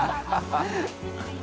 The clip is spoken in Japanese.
ハハハ